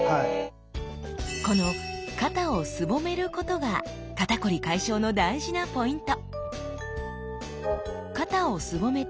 この肩をすぼめることが肩こり解消の大事なポイント！